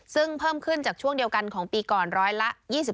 ซึ่งเพิ่มขึ้นจากช่วงเดียวกันของปีก่อนร้อยละ๒๓